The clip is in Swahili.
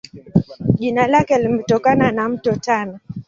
Jina lake limetokana na Mto Tana.